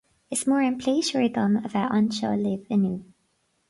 Is mór an pléisiúr dom a bheith anseo libh inniu